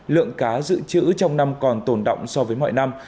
lượng cá dự trữ trong năm còn tồn động so với mọi năm